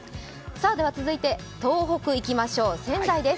続いて、東北いきましょう仙台です。